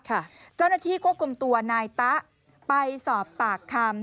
เจ้าหน้าที่ควบคุมตัวนายตะไปสอบปากคำ